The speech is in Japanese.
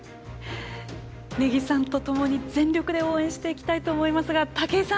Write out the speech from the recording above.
根木さんとともに全力で応援していきたいと思いますが武井さん